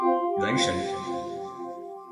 原神